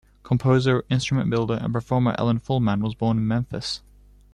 Composer, instrument builder, and performer Ellen Fullman was born in Memphis.